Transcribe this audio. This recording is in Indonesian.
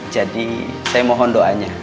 jadi saya mohon doanya